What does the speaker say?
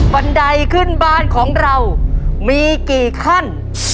บันไดขึ้นบ้านของเรามีกี่ขั้น